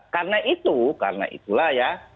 karena itu karena itulah ya